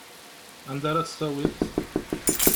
Anda ara tt-tawiḍ?